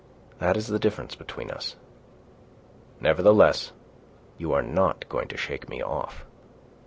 That is the difference between us. Nevertheless, you are not going to shake me off."